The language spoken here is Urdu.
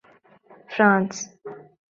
فرانس